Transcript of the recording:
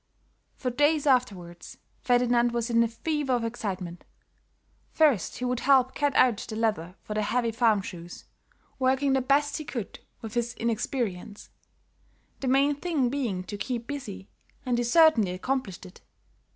For days afterwards Ferdinand was in a fever of excitement. First he would help cut out the leather for the heavy farm shoes, working the best he could with his inexperience; the main thing being to keep busy, and he certainly accomplished it.